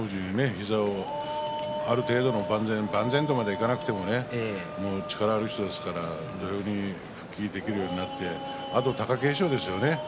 膝をある程度万全とまではいかなくてもね力のある人ですから土俵に復帰できるようになってあと貴景勝ですよね。